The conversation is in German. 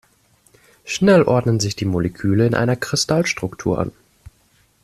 Schnell ordnen sich die Moleküle in einer Kristallstruktur an.